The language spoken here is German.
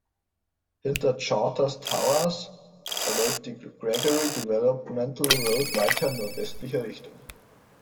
Hinter Charters Towers verläuft die Gregory Developmental Road weiter in nordwestlicher Richtung.